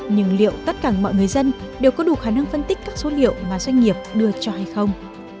nhưng liệu tất cả mọi người dân đều có đủ khả năng phân tích các số liệu mà doanh nghiệp đưa cho hay không